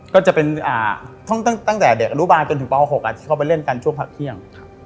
ก็จะเป็นห้องตั้งแต่เด็กอนุบาลจนถึงป๖ที่เขาไปเล่นกันช่วงพักเที่ยง